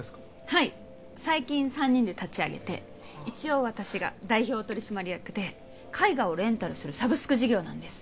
はい最近３人で立ち上げて一応私が代表取締役で絵画をレンタルするサブスク事業なんです